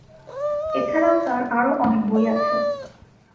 এছাড়াও তার আরও অনেক বই আছে।